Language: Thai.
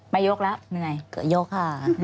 ไม่ยกแล้วเหนื่อย